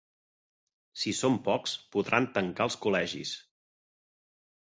Si som pocs, podran tancar els col·legis.